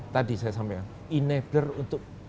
tadi saya sampaikan enether untuk